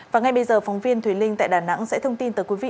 và ngay bây giờ phóng viên thùy linh tại đà nẵng sẽ thông tin tới quý vị